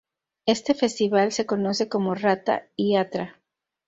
Este festival se conoce como Ratha-iatra.